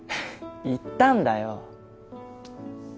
言ったんだよ